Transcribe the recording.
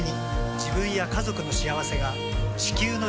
自分や家族の幸せが地球の幸せにつながっている。